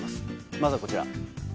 まずはこちら。